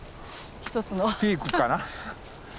一つのピークかな。